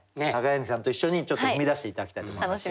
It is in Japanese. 柳さんと一緒にちょっと踏み出して頂きたいと思います。